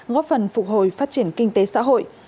góp phần phục hồi phát triển kinh tế xã hội